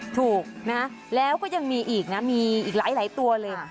ถูกนะแล้วก็ยังมีอีกนะมีอีกหลายตัวเลย